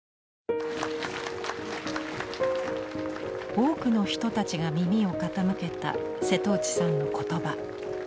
多くの人たちが耳を傾けた瀬戸内さんのことば。